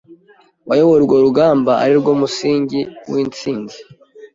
wayoboye urwo rugamba ari rwo musingi w’instinzi